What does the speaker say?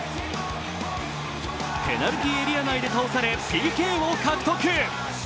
ペナルティーエリア内で倒されＰＫを獲得。